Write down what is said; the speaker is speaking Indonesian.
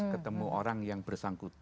ketemu orang yang bersangkutan